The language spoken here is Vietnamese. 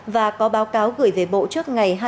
và có báo cáo gửi về bộ trước ngày